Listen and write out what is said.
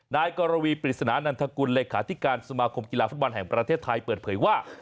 นายกรวีปริศนานันทกุลเลขาธิการสมาคมกีฬาฟุตบอลแห่งประเทศไทยเปิดเผยว่า